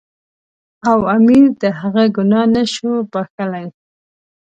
او امیر د هغه ګناه نه شو بخښلای.